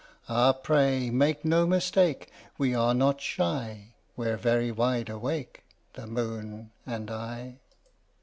Ah, pray make no mistake, We are not shy ; We're very wide awake The Moon and I